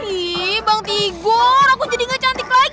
iii bang tigor aku jadi gak cantik lagi kan